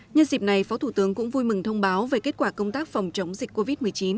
nhân dịp này phó thủ tướng cũng vui mừng thông báo về kết quả công tác phòng chống dịch covid một mươi chín